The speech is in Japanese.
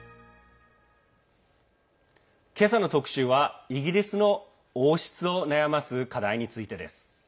今朝の特集はイギリスの王室を悩ます課題についてです。